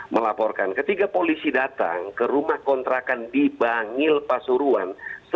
melaporkan ketika polisi datang ke rumah kontrakan di bangil pasuruan sebelas tiga puluh lima